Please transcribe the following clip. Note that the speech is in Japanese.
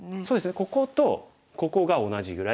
こことここが同じぐらい。